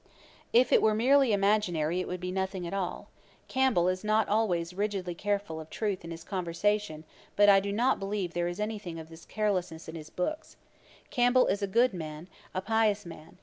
If it were merely imaginary it would be nothing at all. Campbell is not always rigidly careful of truth in his conversation; but I do not believe there is any thing of this carelessness in his books. Campbell is a good man, a pious man.